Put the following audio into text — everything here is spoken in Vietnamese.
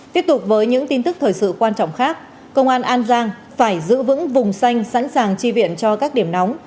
tiếp tục với những tin tức thời sự quan trọng khác công an an giang phải giữ vững vùng xanh sẵn sàng chi viện cho các điểm nóng